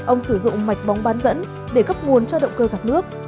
ông sử dụng mạch bóng bán dẫn để cấp nguồn cho động cơ gạt nước